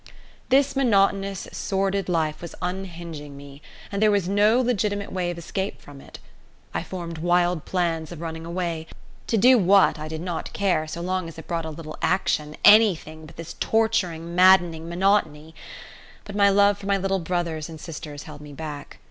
This monotonous sordid life was unhinging me, and there was no legitimate way of escape from it. I formed wild plans of running away, to do what I did not care so long as it brought a little action, anything but this torturing maddening monotony; but my love for my little brothers and sisters held me back.